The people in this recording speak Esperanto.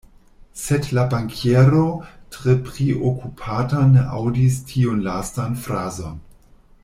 Sed la bankiero tre priokupata ne aŭdis tiun lastan frazon.